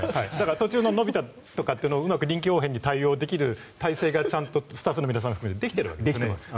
途中で伸びたとかってのをうまく臨機応変に対応できる体制が、スタッフの皆さん含めできているわけですよね。